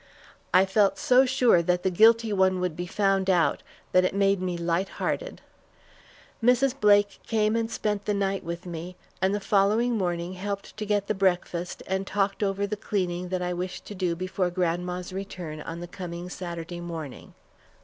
I felt so sure that the guilty one would be found out that it made me light hearted. Mrs. Blake came and spent the night with me, and the following morning helped to get the breakfast and talked over the cleaning that I wished to do before grandma's return on the coming Saturday morning.